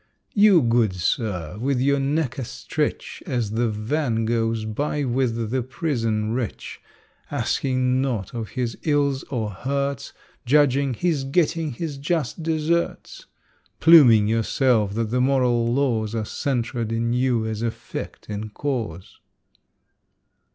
You, good sir, with your neck a stretch, As the van goes by with the prison wretch, Asking naught of his ills or hurts, Judging "he's getting his just deserts," Pluming yourself that the moral laws Are centred in you as effect and cause.